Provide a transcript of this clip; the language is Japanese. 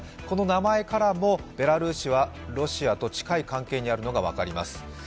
この名前からも、ベラルーシはロシアと近い関係にあるのが分かります。